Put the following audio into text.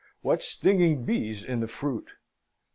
what stinging bees in the fruit!